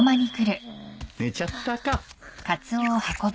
寝ちゃったか。